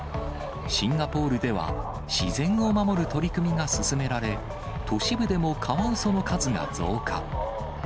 シンガポールでは、自然を守る取り組みが進められ、都市部でもカワウソの数が増加。